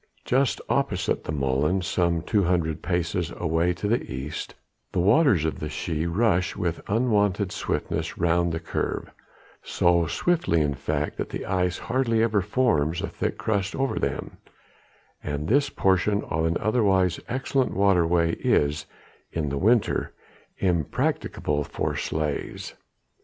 Just opposite the molens, some two hundred paces away to the east, the waters of the Schie rush with unwonted swiftness round the curve; so swiftly in fact that the ice hardly ever forms a thick crust over them, and this portion of an otherwise excellent waterway is in the winter impracticable for sleighs.